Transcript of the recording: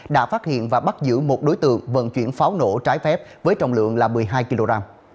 đã phát hiện và bắt giữ một đối tượng vận chuyển pháo nổ trái phép với trọng lượng là một mươi hai kg